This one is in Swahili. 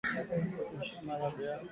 Kisha loweka usiku kucha maharage yako